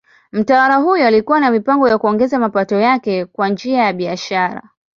Mtawala huyo alikuwa na mipango ya kuongeza mapato yake kwa njia ya biashara.